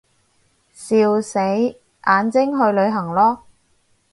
笑死，眼睛去旅行囉